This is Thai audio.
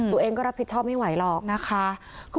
ตัวเองก็รับผิดชอบไม่ไหวหรอกนะคะ